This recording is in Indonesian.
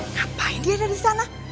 ngapain dia ada di sana